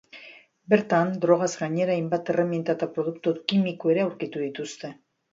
Bertan, drogaz gainera, hainbat erreminta eta produktu kimiko ere aurkitu dituzte.